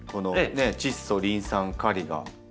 チッ素リン酸カリが。